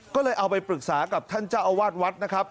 ก็เลยเอาไปปรึกษากับท่านเจ้าอาวาสวัดนะครับ